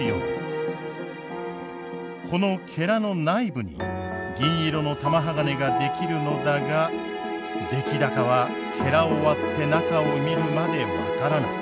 このの内部に銀色の玉鋼が出来るのだが出来高はを割って中を見るまで分からない。